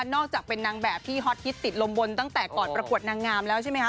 อกจากเป็นนางแบบที่ฮอตฮิตติดลมบนตั้งแต่ก่อนประกวดนางงามแล้วใช่ไหมคะ